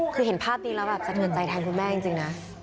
คือเห็นภาพนี้แล้วแบบสะเทือนใจแทนคุณแม่จริงนะ